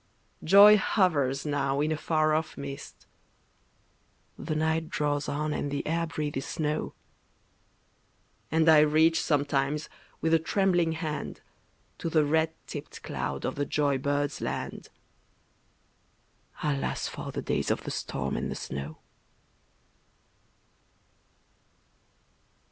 Joy hovers now in a far off mist, (The night draws on and the air breathes snow!) And I reach, sometimes, with a trembling hand To the red tipped cloud of the joy bird's land. (Alas! for the days of the storm and the snow!)